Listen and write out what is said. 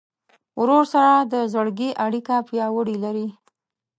ورور سره د زړګي اړیکه پیاوړې لرې.